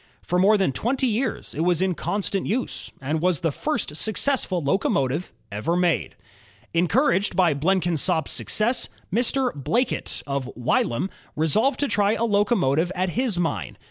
For more than twenty years it was in constant use, and was the first successful locomotive ever made. Encouraged by Blenkinsop's success, Mr. Blackett, of Wylam, resolved to try a locomotive at his mine.